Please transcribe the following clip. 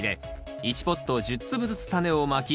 １ポット１０粒ずつタネをまき